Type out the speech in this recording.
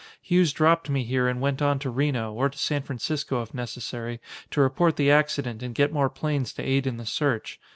Hughes dropped me here and went on to Reno, or to San Francisco if necessary, to report the accident and get more planes to aid in the search.